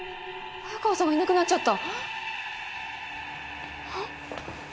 早川さんがいなくなっちゃった。